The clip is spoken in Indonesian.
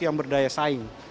yang berdaya saing